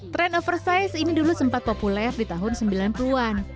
trend oversize ini dulu sempat populer di tahun sembilan puluh an